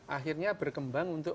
akhirnya berkembang untuk